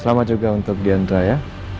selamat juga untuk diandra ya